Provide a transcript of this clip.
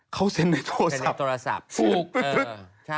เขาเซ็นในโทรศัพท์